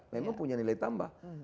memang punya nilai tambah